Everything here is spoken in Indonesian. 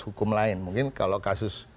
hukum lain mungkin kalau kasus